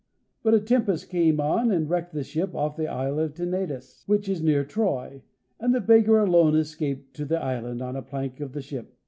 But a tempest came on and wrecked the ship off the Isle of Tenedos, which is near Troy, and the beggar alone escaped to the island on a plank of the ship.